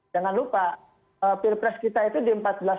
jangan lupa pilpres kita itu di empat belas